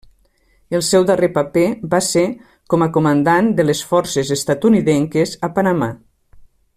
El seu darrer paper va ser com a comandant de les forces estatunidenques a Panamà.